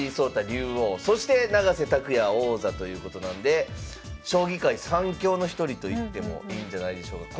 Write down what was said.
竜王そして永瀬拓矢王座ということなんで将棋界３強の一人と言ってもいいんじゃないでしょうか。